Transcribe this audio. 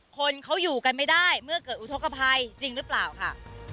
คนเขาอยู่กันไม่ได้เมื่อเกิดอุทธกภัยจริงหรือเปล่าค่ะ